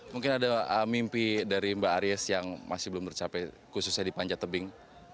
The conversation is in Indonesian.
mungkin ada mimpi dari mbak aries yang masih belum tercapai khususnya di panjat tebing